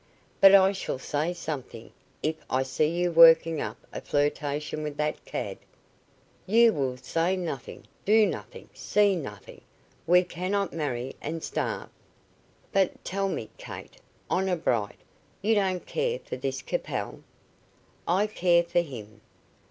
"But I shall say something, if I see you working up a flirtation with that cad." "You will say nothing, do nothing, see nothing. We cannot marry and starve." "But tell me, Kate honour bright you don't care for this Capel?" "I care for him!"